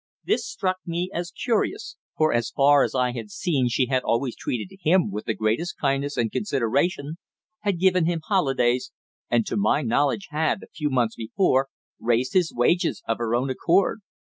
This struck me as curious, for as far as I had seen she had always treated him with the greatest kindness and consideration, had given him holidays, and to my knowledge had, a few months before, raised his wages of her own accord.